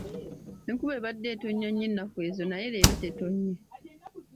Enkuba ebadde etonnya nnyo ennaku ezo naye leero tetonnye.